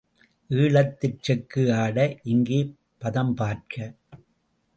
ஈழத்தில் செக்கு ஆட, இங்கே பதம் பார்க்க.